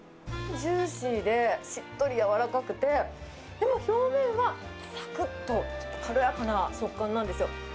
ジューシーで、しっとり、柔らかくて、でも、表面はさくっと軽やかな食感なんですよ。